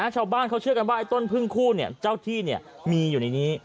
ชาวบ้านเขาเชื่อกันว่าไอ้ต้นพึ่งคู่เจ้าที่มีอยู่ในนี้